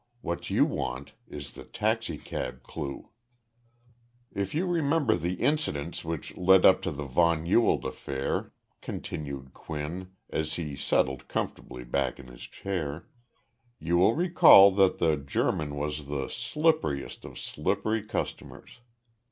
What you want is the taxicab clue." If you remember the incidents which led up to the von Ewald affair [continued Quinn, as he settled comfortably back in his chair] you will recall that the German was the slipperiest of slippery customers.